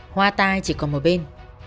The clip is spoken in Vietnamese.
hoa tay chỉ còn một bên